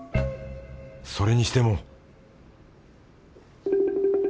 それにしても